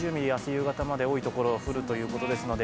夕方まで多いところで降るということですので。